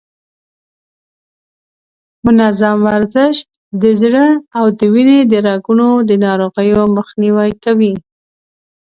منظم ورزش د زړه او د وینې د رګونو د ناروغیو مخنیوی کوي.